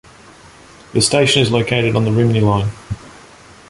The station is located on the Rhymney Line.